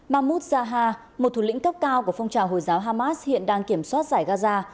mahmoud jaha một thủ lĩnh cấp cao của phong trào hồi giáo hamas hiện đang kiểm soát giải gaza